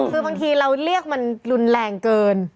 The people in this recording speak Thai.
คือบางทีเราเรียกมันรุนแรงเกิน